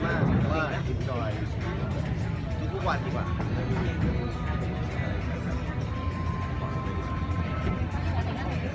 แม่กับผู้วิทยาลัย